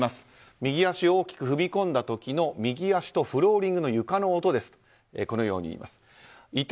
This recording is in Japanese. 右足を大きく踏み込んだ時の右足とフローリングの床の音ですとこのように言いました。